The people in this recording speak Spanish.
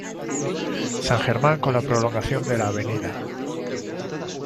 San Germán con la prolongación de la Av.